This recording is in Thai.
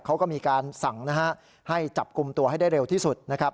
เขาก็มีการสั่งนะฮะให้จับกลุ่มตัวให้ได้เร็วที่สุดนะครับ